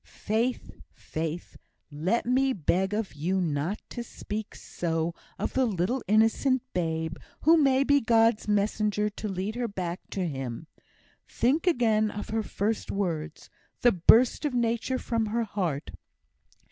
"Faith, Faith! let me beg of you not to speak so of the little innocent babe, who may be God's messenger to lead her back to Him. Think again of her first words the burst of nature from her heart!